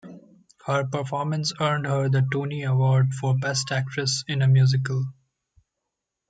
Her performance earned her the Tony Award for Best Actress in a Musical.